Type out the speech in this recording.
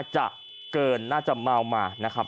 จะเกินน่าจะเมามานะครับ